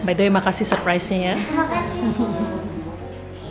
ya makasih surprise nya ya